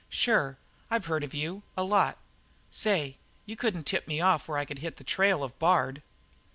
"Sure; I've heard of you a lot. Say, you couldn't tip me off where I could hit the trail of Bard?"